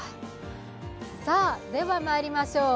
ではまいりましょう。